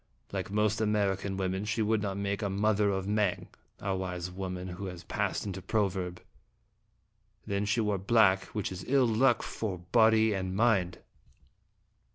Like most American women, she would not make a * mother of Meng,' our wise woman, who has passed into a proverb. Then she wore black, which is ill luck for body and mind."